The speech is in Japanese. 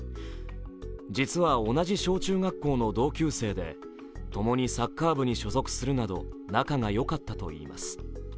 実は同じ小中学校の同級生で共にサッカー部に所属するなど仲がよかったといいます。